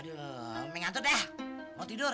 umi ngantur deh mau tidur